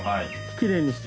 きれいにして？